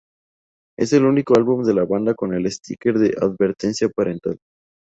Es el único álbum de la banda con el sticker de advertencia parental.